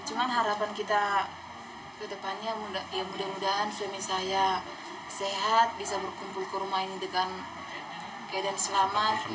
cuma harapan kita ke depannya ya mudah mudahan suami saya sehat bisa berkumpul ke rumah ini dengan keadaan selamat